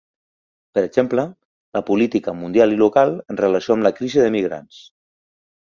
Per exemple, la política mundial i local en relació amb la crisi de migrants.